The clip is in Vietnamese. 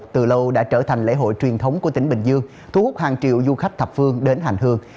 từ lâu đã trở thành lễ hội truyền thống của tỉnh bình dương thu hút hàng triệu du khách thập phương đến hành hương